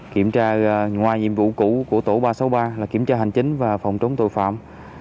kiểm tra ngoài nhiệm vụ cũ của tổ ba trăm sáu mươi ba kiểm tra hành chính và phòng chống tội phạm